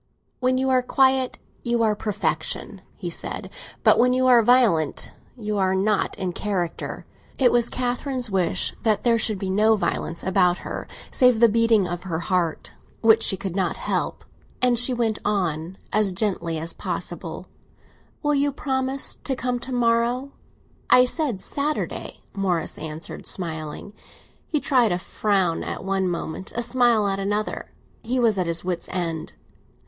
"When you are quiet, you are perfection," he said; "but when you are violent, you are not in character." It was Catherine's wish that there should be no violence about her save the beating of her heart, which she could not help; and she went on, as gently as possible, "Will you promise to come to morrow?" "I said Saturday!" Morris answered, smiling. He tried a frown at one moment, a smile at another; he was at his wit's end.